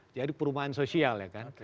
jadi perumahan sosial ya kan